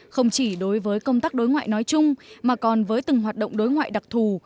không chỉ đối với công tác đối ngoại nói chung mà còn với từng hoạt động đối ngoại đặc thù